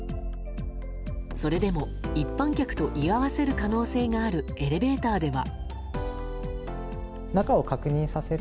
それでも、一般客と居合わせる可能性があるエレベーターでは。